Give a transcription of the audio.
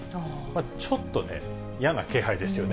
ちょっとね、嫌な気配ですよね。